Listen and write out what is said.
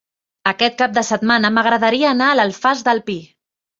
Aquest cap de setmana m'agradaria anar a l'Alfàs del Pi.